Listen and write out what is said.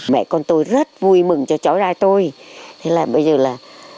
mẹ con tôi rất vui mừng cho trói ra